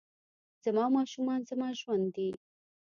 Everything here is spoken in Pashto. زما ماشومان زما ژوند دي